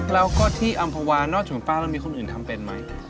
แล้วก็ที่อำภาวานอกจากป้าแล้วมีคนอื่นทำเป็นไหม